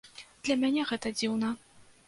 Для мяне гэта дзіўна.